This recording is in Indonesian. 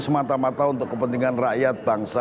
semata mata untuk kepentingan rakyat bangsa